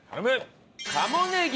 鴨ねぎ。